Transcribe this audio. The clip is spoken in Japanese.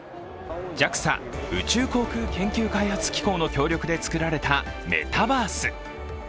ＪＡＸＡ＝宇宙航空研究開発機構の協力で作られたメタバース。